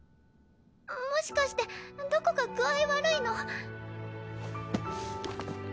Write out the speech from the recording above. もしかしてどこか具合悪いの？